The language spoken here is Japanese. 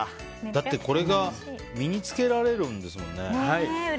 だって、これが身に付けられるんですもんね。